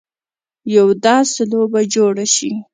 یوه داسې لوبه جوړه شي.